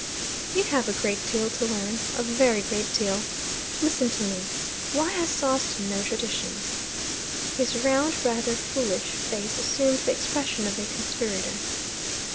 "You have a great deal to learn a very great deal. Listen to me. Why has Sawston no traditions?" His round, rather foolish, face assumed the expression of a conspirator.